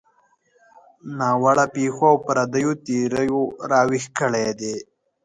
ناوړه پېښو او پردیو تیریو راویښ کړي دي.